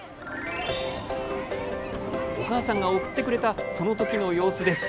お母さんが送ってくれたそのときの様子です。